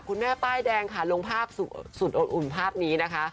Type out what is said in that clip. แม่ป้ายแดงค่ะลงภาพสุดอบอุ่นภาพนี้นะคะ